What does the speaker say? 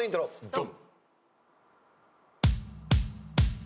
ドン！